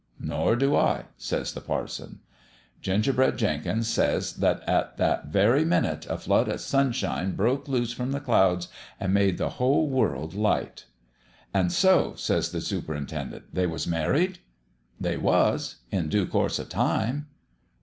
"' Nor do I,' says the parson. " Gingerbread Jenkins says that at that very minute a flood o' sunshine broke loose from the clouds an' made the whole world light." "And so," said the superintendent, "they was married." " They was in due course o' time."